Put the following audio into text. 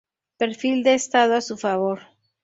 Perfil de estado a su favor.